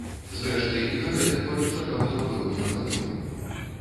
Зрэшты, і на гэты год чакаўся ўпэўнены пад'ём.